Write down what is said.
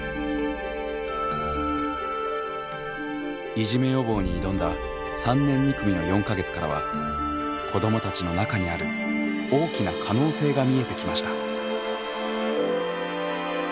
いじめ予防に挑んだ３年２組の４か月からは子どもたちの中にある大きな可能性が見えてきました。